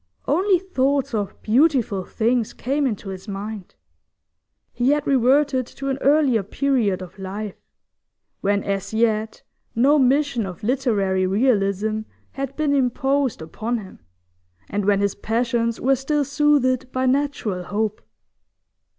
Only thoughts of beautiful things came into his mind; he had reverted to an earlier period of life, when as yet no mission of literary realism had been imposed upon him, and when his passions were still soothed by natural hope.